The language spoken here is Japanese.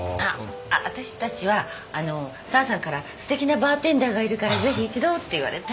あっわたしたちはあの沢さんからすてきなバーテンダーがいるからぜひ一度って言われて。